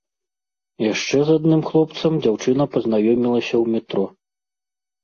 Яшчэ з адным хлопцам дзяўчына пазнаёмілася ў метро.